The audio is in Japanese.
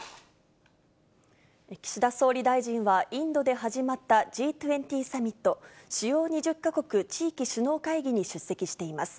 岸田総理大臣は、インドで始まったＧ２０サミット・主要２０か国地域首脳会議に出席しています。